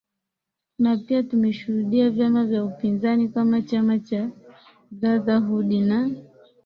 na pia tumeshuhudia vyama vya upinzani kama chama cha brotherhood na